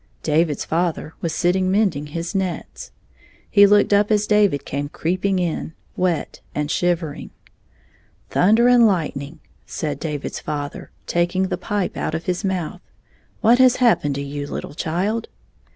David's father was sitting mending his nets. He looked up as David came creeping in, wet and shivering. *' Thunder and lightning!" said David's father, taking the pipe out of his mouth, "what has hap pened to you, little child?"